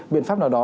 biện pháp nào đó